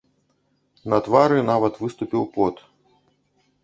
На твары нават выступіў пот.